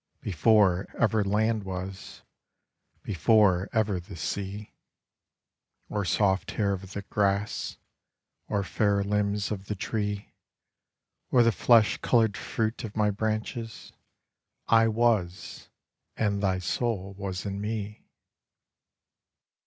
Before ever land was, Before ever the sea, Or soft hair of the grass, Or fair limbs of the tree, Or the flesh coloured fruit of my branches, I was, and thy soul was in me.